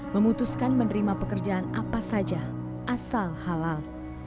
memutuskan menerima pekerjaan apa saja asal halal